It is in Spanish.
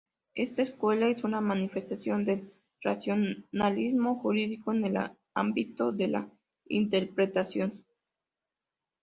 Esta escuela es una manifestación del racionalismo jurídico en el ámbito de la interpretación.